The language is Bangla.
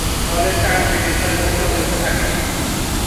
দলে চার থেকে ছয়জন সদস্য থাকে।